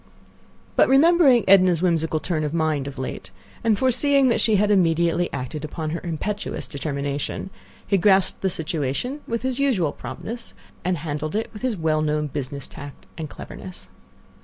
But remembering Edna's whimsical turn of mind of late, and foreseeing that she had immediately acted upon her impetuous determination, he grasped the situation with his usual promptness and handled it with his well known business tact and cleverness.